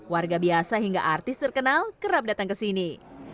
warga biasa hingga artis terkenal kerap datang ke sini